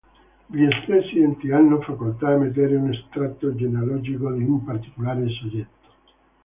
Gli stessi enti hanno facoltà emettere un estratto genealogico di un particolare soggetto.